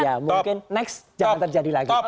ya mungkin next jangan terjadi lagi